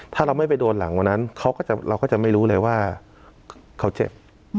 ถ้าเราไม่ไปโดนหลังวันนั้นเราก็จะไม่รู้เลยว่าเขาเจ็บ